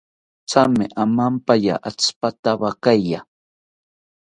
Thame amampaya atzipatawakaya